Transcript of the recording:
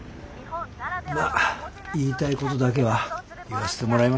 まっ言いたいことだけは言わせてもらいましたよ。